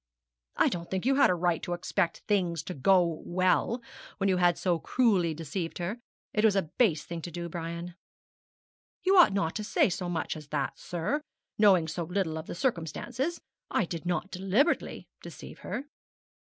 'I don't think you had a right to expect things to go well, when you had so cruelly deceived her. It was a base thing to do, Brian.' 'You ought not to say so much as that, sir, knowing so little of the circumstances. I did not deliberately deceive her.'